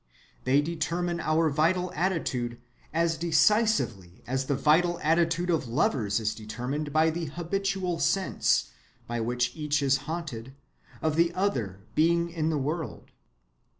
They determine our vital attitude as decisively as the vital attitude of lovers is determined by the habitual sense, by which each is haunted, of the other being in the world.